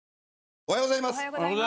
おはようございます。